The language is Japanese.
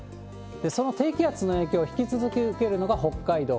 その低気圧の影響を引き続き受けるのが北海道。